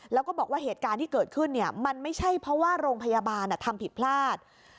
แล้วก็บอกว่าเหตุการณ์ที่เกิดขึ้นมันไม่ใช่เพราะว่าโรงพยาบาลทำผิดพลาด